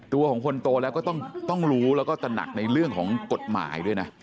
ตัวของคนโตแล้วก็ต้องรู้แล้วก็ตระหนักในเรื่องของกฎหมายด้วยนะ